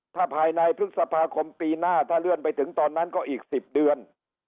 ถ้าภายในพฤษภาคมปีหน้าถ้าเลื่อนไปถึงตอนนั้นก็อีก๑๐เดือน